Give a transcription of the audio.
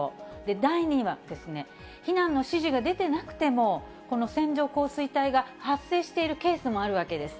第２はですね、避難の指示が出てなくてもこの線状降水帯が発生しているケースもあるわけです。